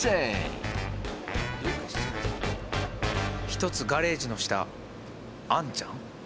ひとつガレージの下あんちゃん？